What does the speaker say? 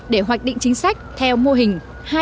để hoạch định chính sách theo mô hình